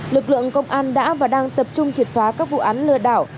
lực lượng công an đã và đang tập trung triệt phá các vụ án lừa đảo